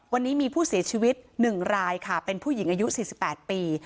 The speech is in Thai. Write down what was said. วันนี้มีผู้เสียชีวิตหนึ่งรายค่ะเป็นผู้หญิงอายุสี่สิบแปดปี